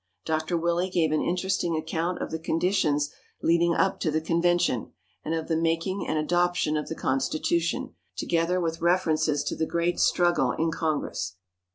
Dr. Willey gave an interesting account of the conditions leading up to the convention, and of the making and adoption of the Constitution, together with references to the great struggle in Congress.